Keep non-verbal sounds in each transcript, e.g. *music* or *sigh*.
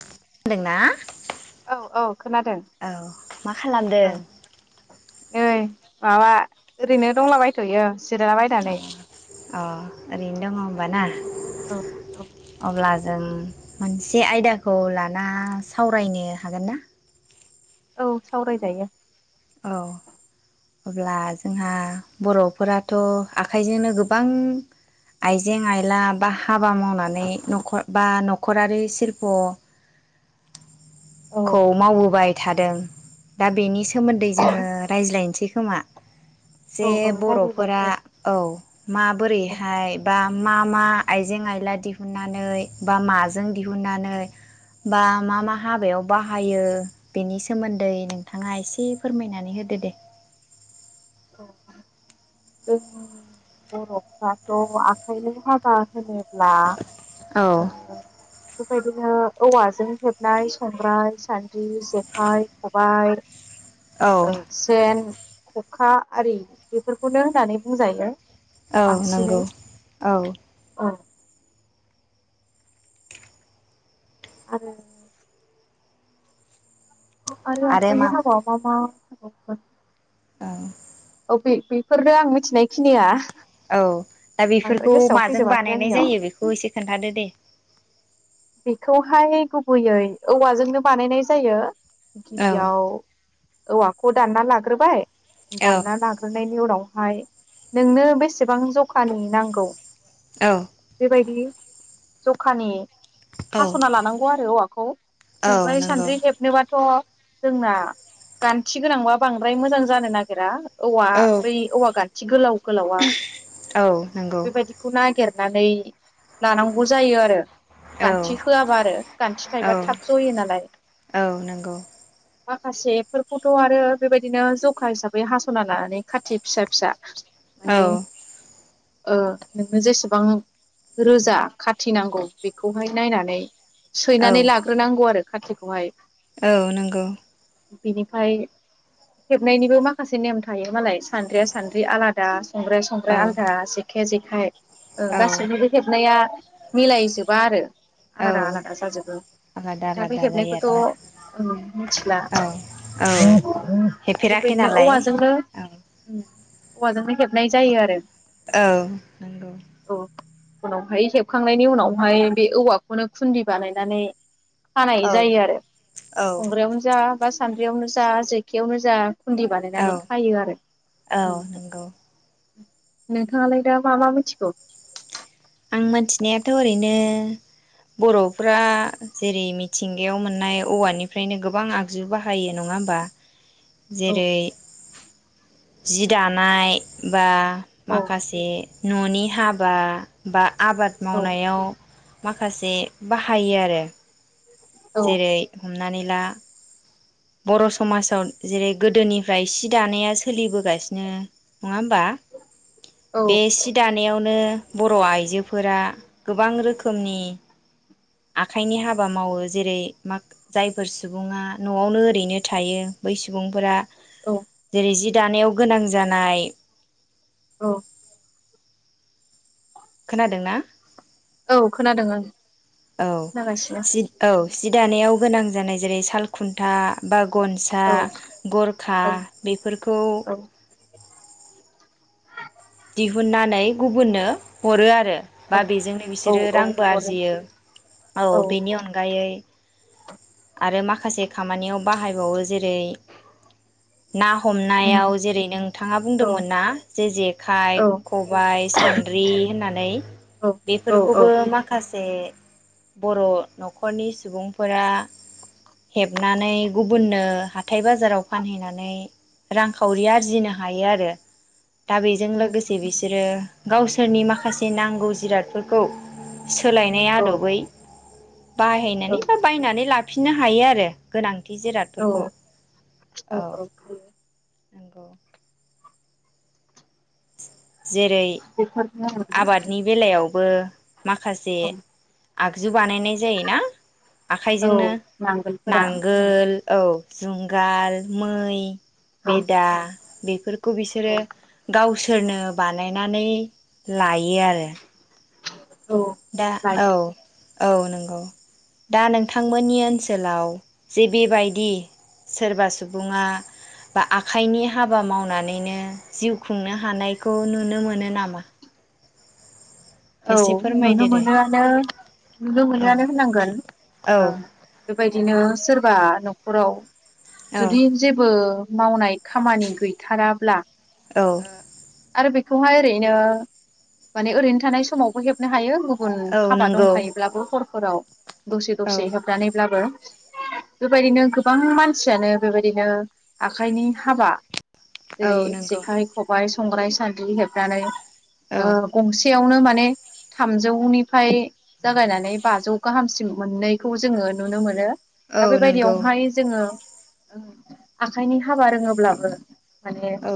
खोनादोंना औ औ खोनादों औ मा खालामदों? इ माबा ओरैनो दंलाबायथयो। अ जिरायलाबायनानै अ ओरैनो दङ होमब ना औ औ अब्ला ओं मोनसे आयदाखौ लाना सावरायनो हागोनना? औ सावरायजायो। औ अब्ला जोंहा बरफोराथ' आखाइजोंनो गोबां आइजें आइला बा हाबा मावनानै नखर बा न'खरारि सिशल्प औ खौ मावबोबाय। थादों दा बेनि सो सोमोन्दै जोङो रायज्लायनोसै। खोमा। जे औ औ बर'फोरा रायज्लायजायो औ। औ माबोरैहाय बा मा मा आइजें आइला दिहुननानै बा माजों दिहुननानै बा मा मा हाबायाव बाहायो बेनि सोमोन्दै नोंथाङा एसे *unintelligible* फोरमायनानै होदो दे। जों बर'फ्राथ आखाइजों हाबा होनोब्ला औ *unintelligible* औवाजों हेबनाय संग्राय सान्द्रि जेखाइ खबाय औ ओ सेन खखा आरि बेफोरखौनो होननानै बुंजायो औ बांसिनै नोंगौ औ औ आरो आरो आखाइनि हाबा-बा मा? *unintelligible* औ औ बे-बेफोरनो आं मिथिनाय खिनिया। औ दा बेफोरखौ माजों फैजोबाखै बानायनाय आंनियाव जायो बेखौ एसे खोन्थादो दे। बेखौहाय गुबैयै औवाजोंनो बानायनाय जायो। औ गिबियाव औवा खौ दानना लाग्रोबाय औ दानना लााग्रोनायनि उनाव हाय नोंनो बेसेबां जखानि नांगौ। औ बायदि जखानि औ हास'ना लानांगौ आरो औवाखौ औ संग्राइ नंगौ सान्द्रि हेबनोबाथ' जोंना गान्थि गोनांबा बांद्राय मोजां जानो नागेरा। औवा औ बै औवा गान्थि गोलाव गोलावा औ नंगौ बेबायदिखौ नागेर नानै लानांगौ जायो आरो। औ गान्थि होआबा आरो गान्थि औ थायोबा थाब जयो नालाय। औ नंगौ माखासेफोरखौथ' आरो बेबायदिनो जखा हिसाबै हास'ना लानानै खाथि फिसा फिसा औ। माने ओ नोंनो जेसेबां रोजा खाथिनांगौ बे खौहाय नायनानै सैनानै औ लाग्रोनांगौ आरो। खाथिखौहाय औ नोंगौ बिनिफाय हेबनायनिबो माखासे नेम थायो मालाय सान्द्रिया सान्द्रि आलादा संग्राया संग्राइ औ आलदा जेखाया जेख हाय ओं औ गासैनिबो हेबनाया मिलायजोब बा आरो। आलादा औ आलादा जाजोबो आलादा थाफै आलादा जायो आरोना हेबनायखौथ' मिथिला औ औ दा हेफेराखै बेबायदिनो नालाय औवाजोंनो औ औवाजोंनो हेबनाय जायो आरो। औ नोंगौ। औ उनावहाय हेबखांनायनि उनाव हाय बे औवाखौनो खुन्दि बानायनानै खानाय औ जायो आरो औ संग्रायावनो जा बा सान्द्रियावनो जा जेखायावनो जा खुन्दि बानायनानै औ खायो आरो उम औ नंगौ नोंथाङालाय दा मा मा मिथिगौ? आं मोनथिनायाथ' ओरैनो बर'फ्रा जेरै मिथिंगायाव मोननाय औवानि फ्रायनो गोबां आगजु बाहायो। नङाहोमबा। औ जेरै जि दानाय बा औ माखासे ननि हाबा बा आबाद औ मावनायाव। माखासे बाहायो आरो। औ जेरै हामनानै ला बर' समाजाव जेरै गोदोनिफ्राय सि दानाया सोलिबोगासिनो नङा होमबा। औ बे सि दानायावनो बर आइजोब फोरा गोबां रोखोमनि आखाइनि हाबा मावो जेरै माग जायफोर सुबुङा नआवनो। रैनो थायो बै सुबुंफोरा औ जेरै जि दानायाव गोनां जानाय। औ। खोनादों ना? औ खोनादों आं औ खोनागासिनो सि औ सि दानायाव गोनां जानाय जेरै साल खुन्था बा गनसा औ गरखा औ बेफोरखौ औ दिहुननानै गुबुननो। हरो आरो बा औ बेजोंनो बिसोरो औ रांबो हरो आरजियो, औ बेनि अनगायै आरो मा खासे खामानियाव बाहायबावो जेरै ना उम, हमनायाव जेरै नोंथाङा औ बुंदोंमोन ना जे जे। खाय औ खबाय सान्द्रि होननानै औ औ औ बेफोरखौबो माखास ते बर नखरनि सुबुंफोरा हेबनानै गुबुननो हाथाय बाजाराव फानहैनानै रांखावरि आरजिनो हायो आरो दा बे जों उम, लोगोसे बिसोरो गावसोरनि माखासे नांगौ जिरादफोरखौ सोलायनाय औ आदबै औ बाहायनानै बा बायनानै ला फिननो हायो आरो गोनां औ औ औ नोंगौ जेरै *unintelligible* आबादनि बेलायाव थबो माखासे ओं, आगजु बानायनाय जाय ना औ आखाइजोंनो नांगोलफोरा औ नांगोल औ। जुंगाल मै औ बेदा बेफोरखौ बिसोरो गावसोरनो बानाय। नानै लायो आरो। औ दा लाय औ औ नंगौ दा नोंथांमोननि ओनसोलाव जे बेबायदि सोरबा सुबुङा बा आखाइनि हाबा मावनानैनो जिउ खुंनो हानायखौ नुनो मोनो नामा। औ एसे नुनो फोरमायदो दे मोनो नुनो औ मोनोआानो होनांगोन औ ओ बेबायदिनो सोरबा न'खराव औ जुदि जेबो मावनाय खामानि गैथाराब्ला। औ ओ आरो बेखौहाय ओरैनो माने ओरैनो थानाय सम समावबो हेबनो हायो गुब गुबुन औ हाबा नंगौ दंखायोब्लाबो हर हराव दसे औ दसे होबनानैब्लाबो बेबायदिनो गोबां मानसियानो बेबायदिनो आखाइनि हाबा। औ जेरै नंगौ जेखाइ, खबाय संग्राय सान्द्रि हेबनानै औ गंसेयावनो मान। थामजौ निफ्राय जागायनानै बाजौ गाहामसिम मोननैखौ जोङो नुनो मोनो औ दा नंगौ बेबायदियावहाय जोङो आखाइनि हाबा रोङोब्लाबो माने ओ औ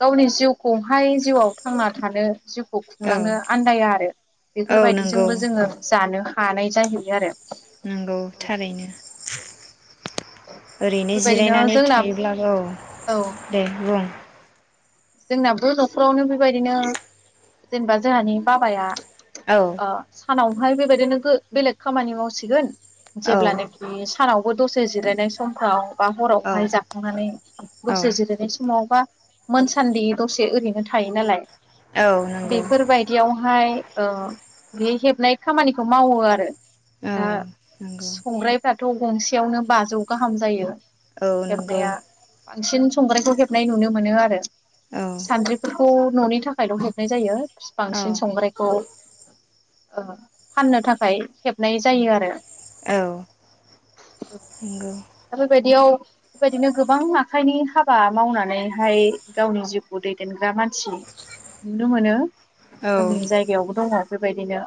गावनि जिउखौहाय जिउआव थांना थानो जिउखौ औ थांलांनो आन्दाया आरो औ नंगौ बेफोरबायदिजोंबो जोङो जानो हानाय जाहैयो आरो। नंगौ थारैनो ओरैनो बेबायदिनो जिरायनानै जोंना थायोब्लाबो औ दे बुं जोंनाबो न'खरावनो बेबायदिनो जेनेबा जोंहानि बाबाया औ अ सानावहाय बेबायदिनो गो बेलेग खामानि मावसिगोन औ जेब्ला नाखि सानावबो दसे जिरायनाय समफ्राव बा औ हरावहाय जाखांनानै औ दसे जिरायनाय समाव बा *inaudible* सान्दि दसे ओरैनो थायो नालाय। औ नंगौ बेफोरबायदियावहाय ओ बे हेबनाय खामानिखौ मावो आरो। औ दा नंगौ संग्रायफ्रा थौ गंसेयावनो बाजौ गाहाम जायो। औ नंगौ हेबनाया बांसिन संग्रायखौ हेबनाय नुनो मोनो आरो औ सान्द्रिफोरखौ न'नि थाखायल' हेबनाय जायो। औ बांसिन संग्रायखौ ओ फाननो थाखाय हेबनाय जायो आरो। औ नंगौ दा बेबायदियाव बेबायदिनो गोबां आखाइनि हाबा मावनानैहाय गावनि जिउखौ दैदेनग्रा मान *inaudible* नुनो मोनो औ जोंनि जायगायावबो दङ बेबायदिनो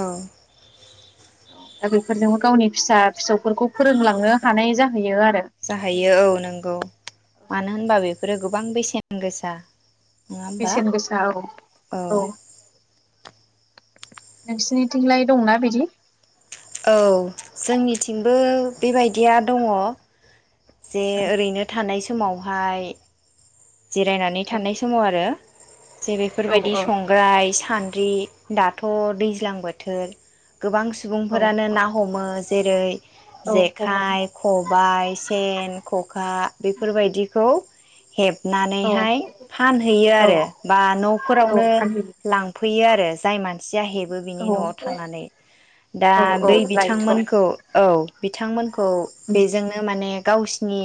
औ। दा बेफोरजोंबो गावनि फिसा फिसौफोरखौ फोरोंलांनो हानाय जाहै जाहैयो औ नंगौ मानो होनबा बेफोरो गोबां बेसेन गोसा नङा होमबा बेसेन गोसा औ औ नोंसिनिथिंलाय दंना बिदि औ जोंनिथिंबो बेबायदिया दंङ जे ओरैनो थानाय सम समावहाय जिरायनानै थानाय समाव आरो जे औ बेफोरबायदि औ संग्राय सान्द्रि दाथ दैज्लां बोथोर गोबां औ सुबुंफोरानो ना हमो जेरै औ हमो जेखाइ खबाय सेन खखा बेफोरबायदिखौ हेब औ नानैहाय फानहैयो औ आरो बा औ नफोरावनो फानहैयो लांफै फैयो आरो जाय मानसि जाय हेबो बिनि औ नआव थांनानै दा औ औ बै लायथ' औ बिथांमोनखौ औ। बिथांमोन खौ बेजोंनो माने गावसिनि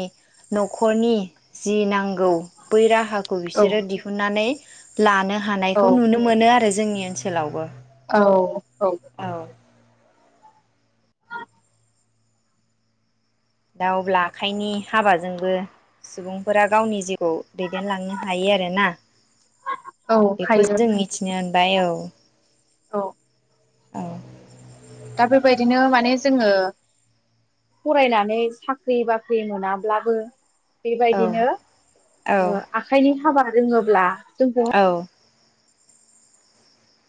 नखरनि जि नांगौ। बै राहाखौ औ बिसोरो दिहुननानै लानो औ हानायखौ नुनो मोनो आरो जोंनि ओनसोलावबो, औ औ दा अब्ला आखाइनि हाबाजोंबो सुबुंफोरा गावनि जि दैदेनलांनो हायो आरोना औ बेखौ हायो जों मिथिनो बाय औ औ औ दा बेबायदिनो माने जोङो फरायनानै साख्रि बाख्रि मोनाब्लाबो औ बेबायदिनो औ ओ आखाइनि हाबा रोङोब्ला जोंखौ औ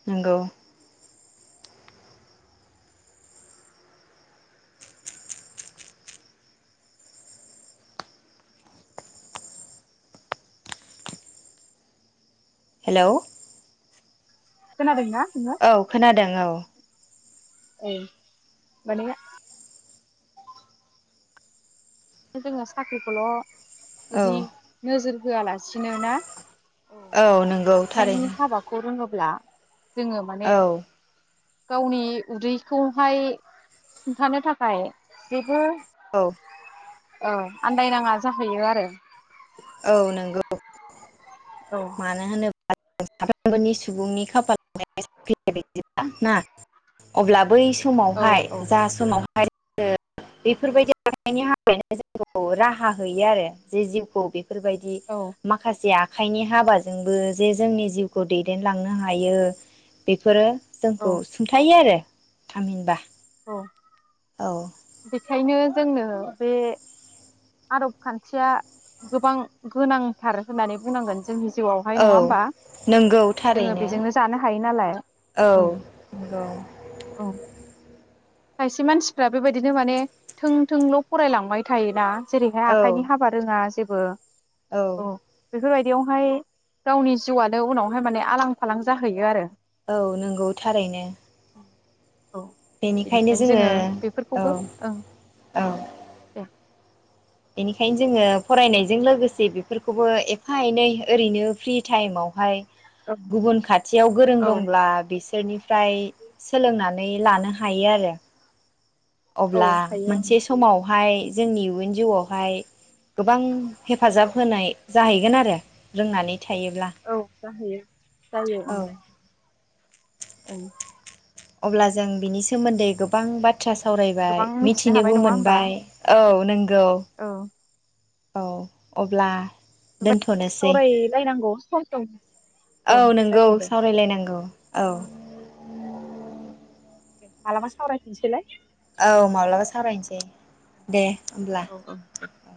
नोंगौ। हेलौ खोनादों ना? औ खोनादों औ। औ माने जोङो साख्रिखौल' औ जुदि नोजोर होआलासिनो ना? औ नंगौ थारैनो ब्ला जोंङो माने औ गावनि उदैखौहाय सुंथानो थाखाय जेबो औ औ आन्दायनाङा जाहैयो आरो। औ नोंगौ। औ मानो होनो साफ्रोमबोनि सुबुंनि *unintelligible* ना अब्ला बै औ समावहाय औ जा समाव *unintelligible* बेफोरबायदि आखायनि हाबायावनो जोंखौ राहा होयो आरो जे जिउखौ बे बेफोरबायदि औ माखासे आ आखाइनि हाबाजोंबो जे जोंनि जिउखौ दैदेनलांनो हायो बेफोरो जोंखौ औ सुंथायो आरो थामहिनबा औ औ। बेखायनो जोंनो बे आदब खान्थिया गोबां गोनांथार होननानै बुंनांगोन जों जोंनि जिउआवहाय नङा औ होमबा नंगौ जोंङो थारैनो बेजोंनो जानो हायो नालाय औ नंगौ खायसे मानसिफ्रा बेबायदिनो माने थों थोंल फरायलांबाय थायोना जेरैहाय औ आखाइनि हाबा रोङा जेबो बो औ बेफोरबायदियावहाय गावनि जिउआनो उनावहाय माने आलां फालां जाहैयो आरो औ नंगौ थारैनो औ बेनिखायनो जोङो औ औ दे बेनिखायनो जोंङो फरायनायजों लोगोसे बेफोरखौबो एफा एनै ओरैनो फ्रि टाइमावहाय गुबुन खाथियाव गोरों औ दंब्ला बिसोर बिसोरनिफ्राय सोलोंनानै लानो हायो आरो। औ अब्ला हायो मोनसे समावहाय जोंनि युन जिउआवहाय गोबां हेफाजाब होनाय जाहैगोन आरो रोंनानै थायोब्ला औ जाहैयो जायो। औ ओं अब्ला जों बिनि सोमोन्दै गोबां बाथ *unintelligible* सावरायबाय गोबां मिथिनो हाबाय मिथिनोबो नङा होमबा मोनबाय औ नंगौ। औ औ अब्ला दोनथनोसै सावरायलायनांगौ सम सम औ नंगौ जागोन दे सावरायलायनांगौ। औ। दे मालाबा सावरायफिनसैलाय। औ माब्लाबा सावरायनोसै दे होमब्ला औ औ औ।